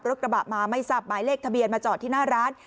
กระบะมาไม่ทราบหมายเลขทะเบียนมาจอดที่หน้าร้าน